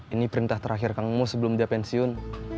ini perintah terakhir kangmu sebelum dia pensiun